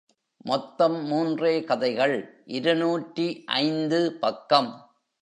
மொத்தம் மூன்றே கதைகள் இருநூற்று ஐந்து பக்கம்.